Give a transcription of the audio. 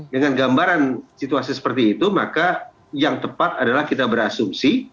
dengan gambaran situasi seperti itu maka yang tepat adalah kita berasumsi